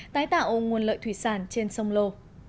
tái tạo nguồn lợi thủy sản trên sông lô